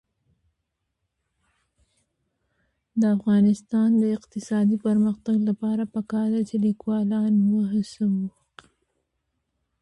د افغانستان د اقتصادي پرمختګ لپاره پکار ده چې لیکوالان وهڅوو.